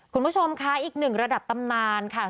คุณผู้ชมค่ะอีกหนึ่งระดับตำนานค่ะ